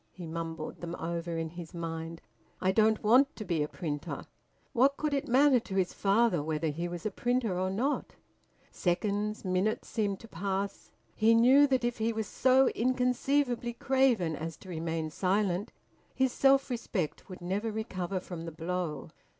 He mumbled them over in his mind. "I don't want to be a printer." What could it matter to his father whether he was a printer or not? Seconds, minutes, seemed to pass. He knew that if he was so inconceivably craven as to remain silent, his self respect would never recover from the blow.